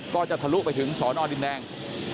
จะทะลุไปถึงสอนอดินแดง